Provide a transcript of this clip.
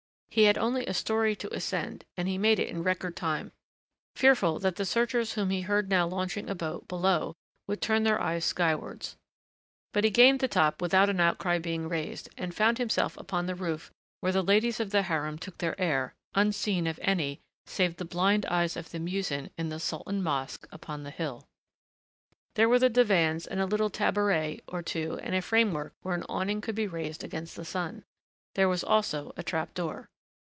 He had only a story to ascend and he made it in record time, fearful that the searchers whom he heard now launching a boat below would turn their eyes skywards. But he gained the top without an outcry being raised and found himself upon the roof where the ladies of the harem took their air unseen of any save the blind eyes of the muezzin in the Sultan mosque upon the hill. There were divans and a little taboret or two and a framework where an awning could be raised against the sun. There was also a trap door.